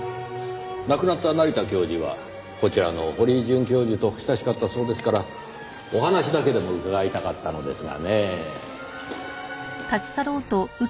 亡くなった成田教授はこちらの堀井准教授と親しかったそうですからお話だけでも伺いたかったのですがねぇ。